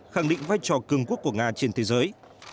khẳng định vai trò cường quốc của nga trên thế giới